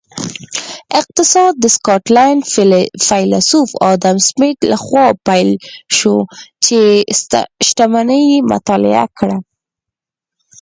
اقتصاد د سکاټلینډ فیلسوف ادم سمیت لخوا پیل شو چې شتمني یې مطالعه کړه